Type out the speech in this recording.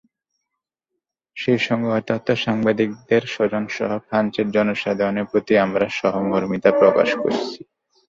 সেই সঙ্গে হতাহত সাংবাদিকদের স্বজনসহ ফ্রান্সের জনসাধারণের প্রতি আমরা সহমর্মিতা প্রকাশ করছি।